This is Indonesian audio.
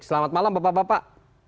selamat malam bapak bapak